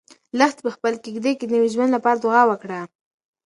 لښتې په خپلې کيږدۍ کې د نوي ژوند لپاره دعا وکړه.